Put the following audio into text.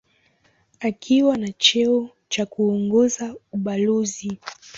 Akiwa na cheo cha kuongoza ubalozi.